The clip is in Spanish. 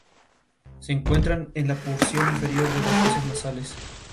Las inflorescencias en racimos laxos pediceladas.